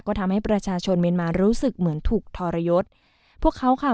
ก็ทำให้ประชาชนเมียนมารู้สึกเหมือนถูกทรยศพวกเขาค่ะ